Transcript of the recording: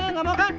nggak mau kak